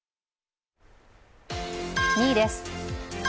２位です。